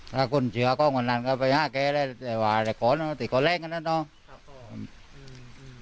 ถ้าคนเชื้อก็ง่อนนั้นก็ไปห้าแก่ได้แต่ว่าอะไรก่อนติดก่อนแรกกันแล้วเนอะ